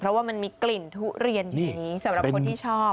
เพราะว่ามันมีกลิ่นทุเรียนอยู่นี้สำหรับคนที่ชอบ